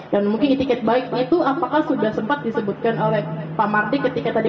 dan mungkin ikat baik itu apakah sudah sempat disebutkan oleh pak mardik